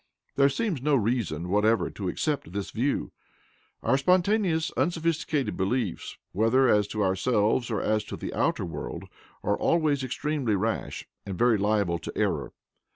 There seems no reason whatever to accept this view. Our spontaneous, unsophisticated beliefs, whether as to ourselves or as to the outer world, are always extremely rash and very liable to error.